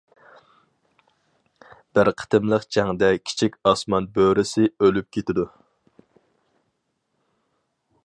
بىر قېتىملىق جەڭدە كىچىك ئاسمان بۆرىسى ئۆلۈپ كېتىدۇ.